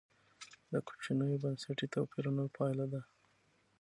د کوچنیو بنسټي توپیرونو پایله ده.